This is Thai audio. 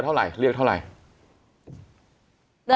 เท่าไหร่เรียกเท่าไหร่